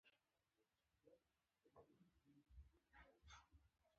خلک په خوښيو کې اتڼ کوي.